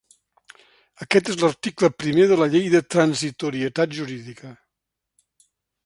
Aquest és l’article primer de la llei de transitorietat jurídica.